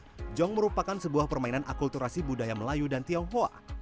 yang kor portrayete jong merupakan sebuah permainan akulturasi budaya melayu dan tionghoa